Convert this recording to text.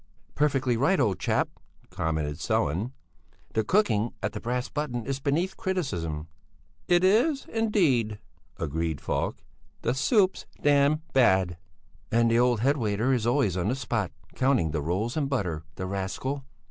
"Perfectly right, old chap," commented Sellén; "the cooking at the 'Brass Button' is beneath criticism." "It is, indeed," agreed Falk; "the soup's damned bad." "And the old head waiter is always on the spot, counting the rolls and butter, the rascal!"